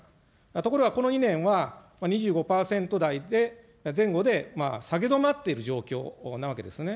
ところがこの２年は、２５％台で、前後で下げ止まっている状況なわけですよね。